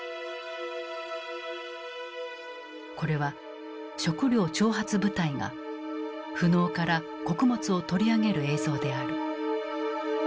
これは食糧徴発部隊が富農から穀物を取り上げる映像である。